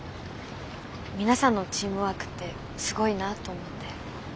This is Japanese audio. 皆さんのチームワークってすごいなと思って。